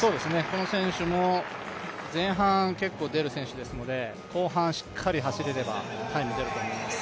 この選手も前半結構出る選手ですので、後半しっかり走れればタイム出ると思います。